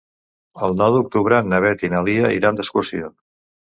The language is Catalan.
El nou d'octubre na Beth i na Lia iran d'excursió.